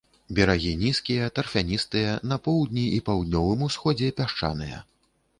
Берагі нізкія, тарфяністыя, на поўдні і паўднёвым усходзе пясчаныя.